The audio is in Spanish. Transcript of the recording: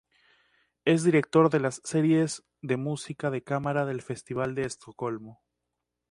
Es director de las series de música de cámara del Festival de Estocolmo.